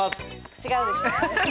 違うでしょ。